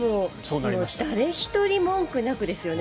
誰一人文句なくですよね。